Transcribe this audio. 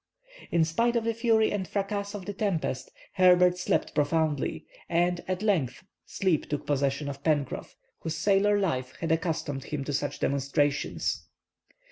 In spite of the fury and fracas of the tempest Herbert slept profoundly, and, at length, sleep took possession of Pencroff, whose sailor life had accustomed him to such demonstrations.